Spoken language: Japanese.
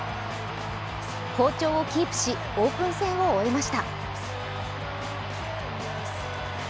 好調をキープし、オープン戦を終えました。